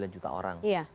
satu sembilan juta orang